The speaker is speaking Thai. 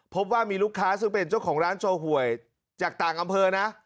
พบว่ามีลูกค้าซึ่งเป็นเจ้าของร้านโชว์หวยจากต่างอำเภอนะ